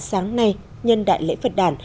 sáng nay nhân đại lễ phật đàn